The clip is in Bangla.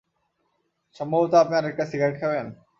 সম্ভবত আপনি আরেকটা সিগারেট খাবেন?